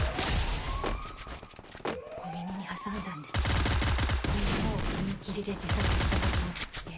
小耳に挟んだんですけど昨日踏切で自殺した画商って。